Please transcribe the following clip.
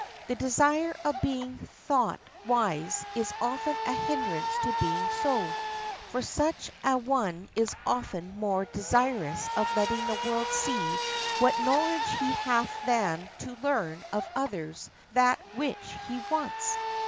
The desire of being thought wise is often a hindrance to being so, for such a one is often more desirous of letting the world see what knowledge he hath than to learn of others that which he wants.